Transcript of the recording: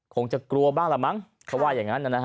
คงจะกลัวบ้างละมั้งเขาว่าอย่างนั้นนะฮะ